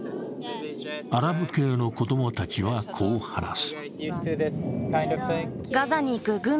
アラブ系の子供たちは、こう話す。